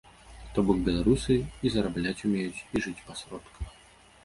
То бок, беларусы і зарабляць умеюць, і жыць па сродках.